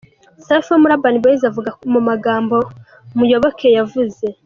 Safi wo muri Urban Boyz avuga ku magambo Muyoboke yavuze:.